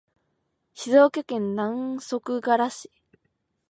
静岡県南足柄市